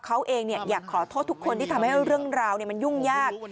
เขาเองอยากขอโทษทุกคนที่ทำให้เรื่องราวมันยุ่งยาก